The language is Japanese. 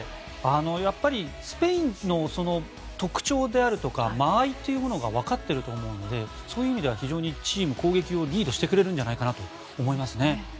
やっぱりスペインの特徴であるとか間合いというものが分かっていると思うのでそういう意味では非常にチームの攻撃をリードしてくれるんじゃないかと思いますね。